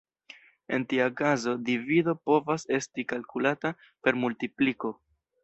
En tia kazo, divido povas esti kalkulata per multipliko.